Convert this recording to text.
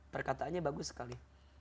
perkataannya bagus sekali